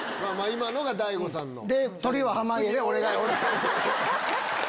今のが大悟さんの。